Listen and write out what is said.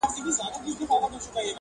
هله قربان دې سمه هله صدقه دې سمه_